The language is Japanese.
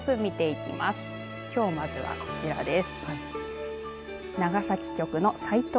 きょう、まずはこちらです。